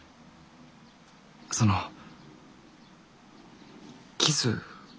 そのキス？